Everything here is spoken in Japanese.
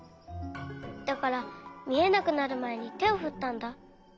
だからみえなくなるまえにてをふったんだ。